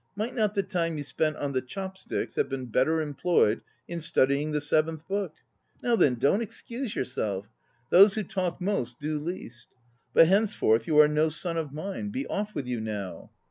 Might not the time you spent on the chop sticks have been better employed in studying the Seventh Book? Now then, don't excuse yourself! Those who talk most do least. But henceforth you are no son of mine. Be off with you now!